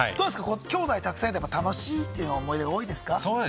きょうだいたくさんいたら、楽しいって思い出が多いですか？